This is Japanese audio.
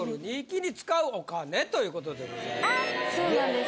そうなんです。